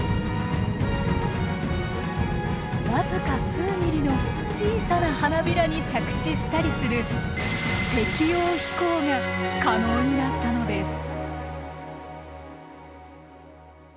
僅か数ｍｍの小さな花びらに着地したりする適応飛行が可能になったのです。